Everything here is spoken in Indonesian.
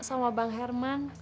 sama bang herman